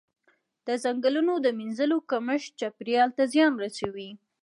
د ځنګلونو د مینځلو کمښت چاپیریال ته زیان رسوي.